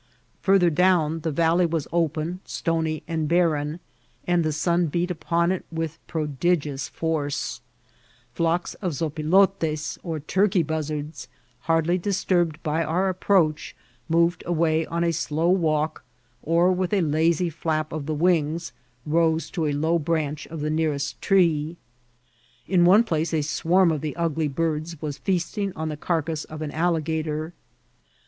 Farther down the valley was open, stony, and barren, and the sun beat upon it with prodigious force ; flocks of sopilotes or turkey buz* zards, hardly disturbed by our approach, moved away on a slow walk, or, with a lazy flap of the wings, rose to a low branch of the nearest tree. In one place a swarm of the ugly birds were feasting on the carcass of an alligator.